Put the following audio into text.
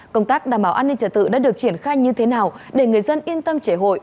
công tác đảm bảo an ninh trả tự đã được triển khai như thế nào để người dân yên tâm trẻ hội